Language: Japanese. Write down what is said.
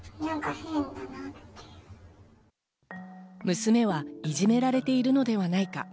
娘は、いじめられているのではないか。